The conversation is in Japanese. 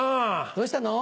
どうしたの？